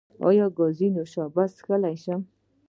ایا زه ګازي نوشابې څښلی شم؟